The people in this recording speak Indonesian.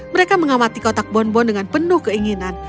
mereka mengamati kotak bonbon dengan penuh keinginan